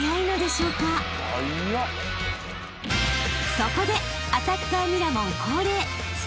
［そこで］